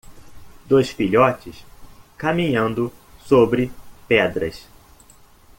Dois filhotes caminhando sobre pedras.